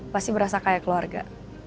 pasti berasa kayak keluarga